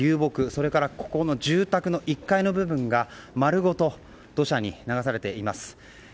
それから、この住宅の１階部分が丸ごと土砂に流されています。